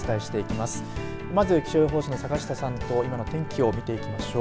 まず気象予報士の坂下さんと今の天気を見ていきましょう。